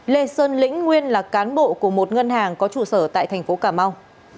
lê sơn lĩnh nguyên là cán bộ của một ngân hàng có trụ sở tại thành phố cà mau